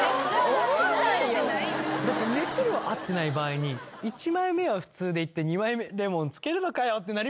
だって熱量合ってない場合に１枚目は普通でいって２枚目レモンつけるのかよってなりません？